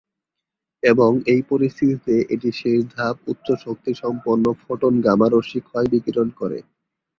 এবং এই পরিস্থিতিতে এটি শেষ ধাপ উচ্চ শক্তি সম্পন্ন ফোটন গামা রশ্মি ক্ষয় বিকিরণ করে।